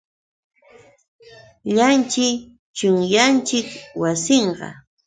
Illanćhi, chunyanćhiki wasinqa.